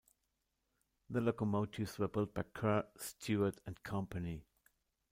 The locomotives were built by Kerr, Stuart and Company.